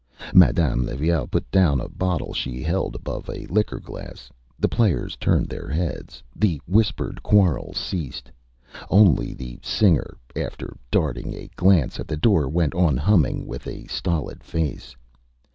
Madame Levaille put down a bottle she held above a liqueur glass; the players turned their heads; the whispered quarrel ceased; only the singer, after darting a glance at the door, went on humming with a stolid face.